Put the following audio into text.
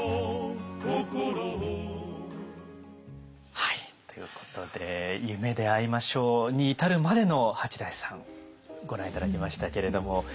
はいということで「夢であいましょう」に至るまでの八大さんご覧頂きましたけれども。